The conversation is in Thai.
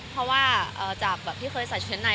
เพราะว่าจากแบบที่เคยใส่ชุดใน